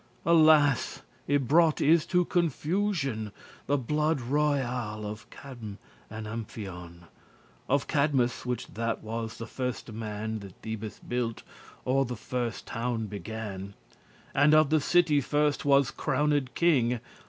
*torment Alas! y brought is to confusion The blood royal of Cadm' and Amphion: Of Cadmus, which that was the firste man, That Thebes built, or first the town began, And of the city first was crowned king.